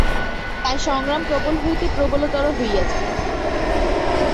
তাই সংগ্রাম প্রবল হইতে প্রবলতর হইয়াছিল।